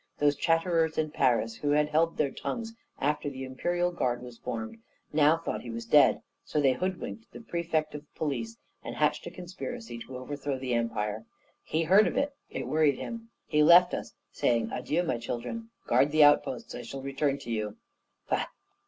Those chatterers in Paris, who had held their tongues after the Imperial Guard was formed, now thought he was dead; so they hoodwinked the prefect of police, and hatched a conspiracy to overthrow the empire. He heard of it; it worried him. He left us, saying: 'Adieu, my children; guard the outposts; I shall return to you,' Bah!